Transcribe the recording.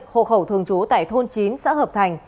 hộ khẩu thường trú tại thôn chín xã hợp thành